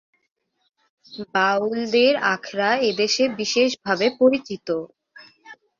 বাউলদের আখড়া এদেশে বিশেষভাবে পরিচিত।